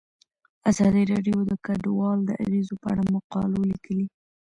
ازادي راډیو د کډوال د اغیزو په اړه مقالو لیکلي.